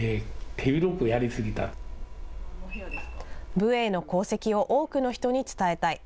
武営の功績を多くの人に伝えたい。